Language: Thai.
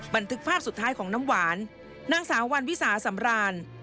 บันทึกภาพสุดท้ายของน้ำหวานนางสาววันวิสาสำราน